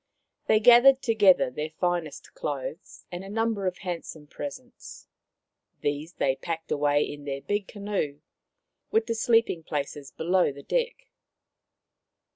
They gathered together their finest clothes and a number of handsome presents. These they packed away in their big canoe with the sleeping places below the deck.